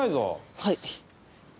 はい。